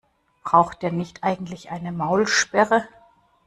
Braucht der nicht eigentlich eine Maulsperre?